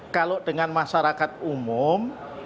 kalau dengan masyarakat umum